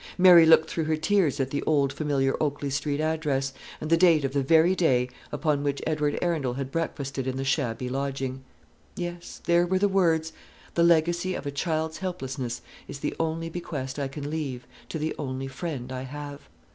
Mary looked through her tears at the old familiar Oakley street address, and the date of the very day upon which Edward Arundel had breakfasted in the shabby lodging. Yes there were the words: "The legacy of a child's helplessness is the only bequest I can leave to the only friend I have."